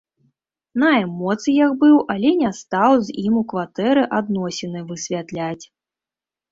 На эмоцыях быў, але не стаў з ім у кватэры адносіны высвятляць.